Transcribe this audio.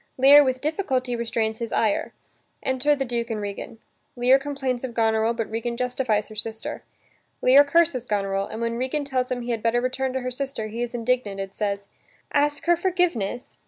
Lear with difficulty restrains his ire. Enter the Duke and Regan. Lear complains of Goneril but Regan justifies her sister. Lear curses Goneril, and, when Regan tells him he had better return to her sister, he is indignant and says: "Ask her forgiveness?"